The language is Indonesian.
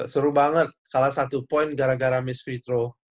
seru banget kalah satu poin gara gara miss free throw